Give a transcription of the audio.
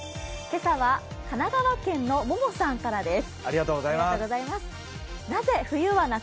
今朝は、神奈川県のももさんからです。